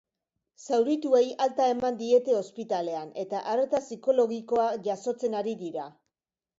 Zaurituei alta eman diete ospitalean, eta arreta psikologikoa jasotzen ari dira.